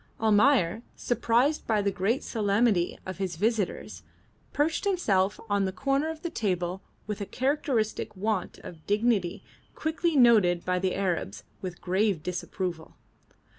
Almayer, surprised by the great solemnity of his visitors, perched himself on the corner of the table with a characteristic want of dignity quickly noted by the Arabs with grave disapproval.